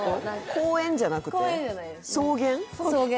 公園じゃないです草原？